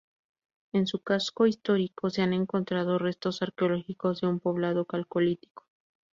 En su casco histórico se han encontrado restos arqueológicos de un poblado calcolítico.